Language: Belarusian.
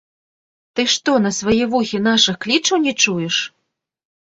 Ты што, на свае вухі нашых клічаў не чуеш?